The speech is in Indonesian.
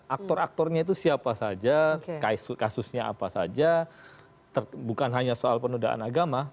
aktor aktornya itu siapa saja kasusnya apa saja bukan hanya soal penodaan agama